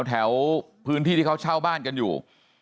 แถวพื้นที่ที่เขาเช่าบ้านกันอยู่